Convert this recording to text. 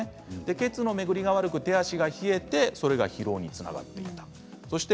血の巡りが悪く、手足が冷えてそれが疲労につながっていました。